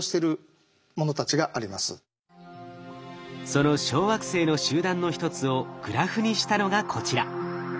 その小惑星の集団の一つをグラフにしたのがこちら。